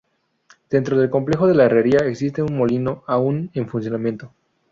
Dentro del complejo de la herrería existe un molino aún en funcionamiento.